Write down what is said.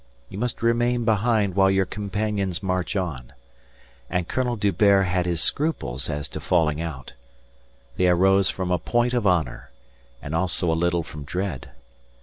You must remain behind while your companions march on. And Colonel D'Hubert had his scruples as to falling out. They arose from a point of honour, and also a little from dread.